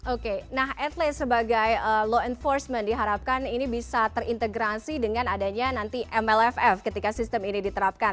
oke nah atles sebagai law enforcement diharapkan ini bisa terintegrasi dengan adanya nanti mlff ketika sistem ini diterapkan